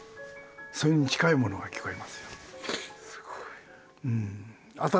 それに近いものが聞こえますよ。